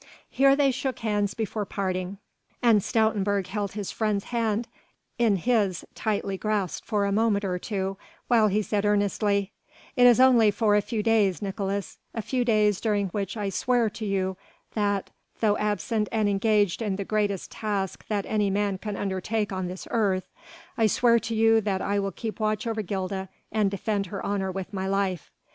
Here they shook hands before parting and Stoutenburg held his friend's hand in his tightly grasped for a moment or two while he said earnestly: "It is only for a few days, Nicolaes, a few days during which I swear to you that though absent and engaged in the greatest task that any man can undertake on this earth I swear to you that I will keep watch over Gilda and defend her honour with my life.